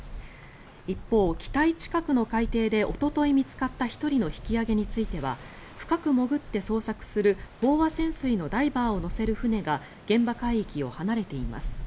一方、機体近くの海底でおととい見つかった１人の引き揚げについては深く潜って捜索する飽和潜水のダイバーを乗せる船が現場海域を離れています。